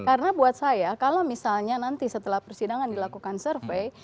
karena buat saya kalau misalnya nanti setelah persidangan dilakukan survei